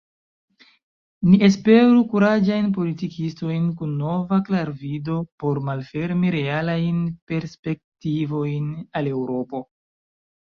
Ni esperu kuraĝajn politikistojn kun nova klarvido por malfermi realajn perspektivojn al Eŭropo.